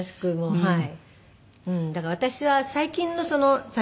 はい。